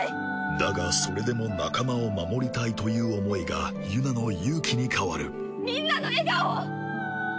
だがそれでも仲間を守りたいという思いがユナの勇気に変わるみんなの笑顔を！